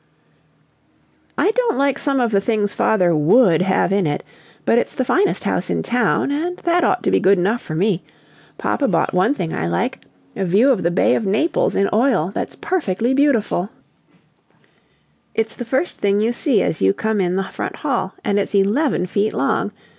"I don't like some of the things father WOULD have in it, but it's the finest house in town, and that ought to be good enough for me! Papa bought one thing I like a view of the Bay of Naples in oil that's perfectly beautiful; it's the first thing you see as you come in the front hall, and it's eleven feet long.